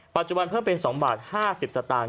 ปัจจุบันเพิ่มเป็น๒บาท๕๐สตางค์